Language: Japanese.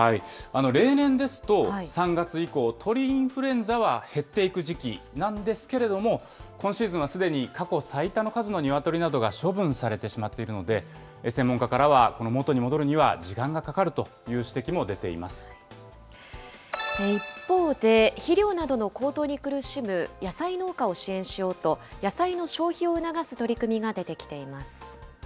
例年ですと、３月以降、鳥インフルエンザは減っていく時期なんですけれども、今シーズンはすでに過去最多の数の鶏などが処分されてしまっているので、専門家からは元に戻るには時間がかかるという指摘も出て一方で、肥料などの高騰に苦しむ野菜農家を支援しようと、野菜の消費を促す取り組みが出てきています。